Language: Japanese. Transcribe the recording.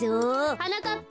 はなかっぱ。